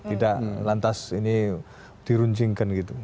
tidak lantas ini diruncingkan gitu